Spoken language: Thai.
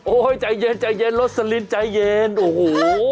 โอ๊ยใจเย็นโลสาลินใจเย็นโอ้โห